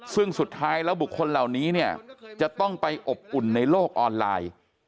ซึ่งสุดท้ายแล้วบุคคลเหล่านี้เนี่ยจะต้องไปอบอุ่นในโลกออนไลน์